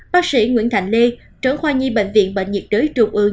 bác sĩ nguyễn thành lê trưởng khoa nhi bệnh viện bệnh nhiệt đới trường ương